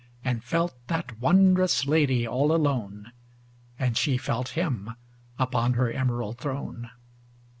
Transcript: And felt that wondrous Lady all alone, ŌĆö And she felt him upon her emerald throne.